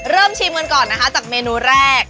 ชิมกันก่อนนะคะจากเมนูแรก